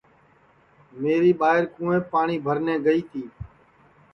میری ٻائیر کُونٚویپ پاٹؔی بھرنے گئی تی